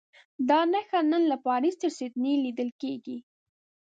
دا نښه نن له پاریس تر سیډني لیدل کېږي.